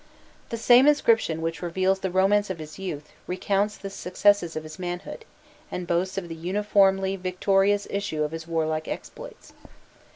The same inscription which reveals the romance of his youth, recounts the successes of his manhood, and boasts of the uniformly victorious issue of his warlike exploits.